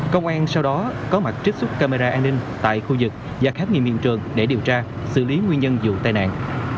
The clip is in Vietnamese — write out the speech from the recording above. công an sau đó có mặt trích xuất camera an ninh tại khu vực và khám nghiệm hiện trường để điều tra xử lý nguyên nhân vụ tai nạn